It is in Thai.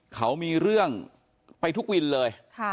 เขามีเรื่องไปทุกวินเลย